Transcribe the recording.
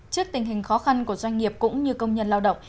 trước tình hình khó khăn của doanh nghiệp cũng như công nhân lao động